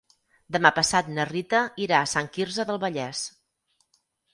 Demà passat na Rita irà a Sant Quirze del Vallès.